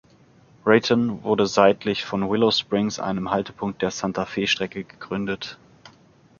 Raton wurde seitlich von Willow Springs, einem Haltepunkt der Santa-Fe-Strecke, gegründet.